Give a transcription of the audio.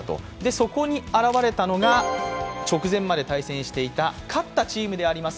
そこに現れたのが直前まで対戦していた勝ったチームであります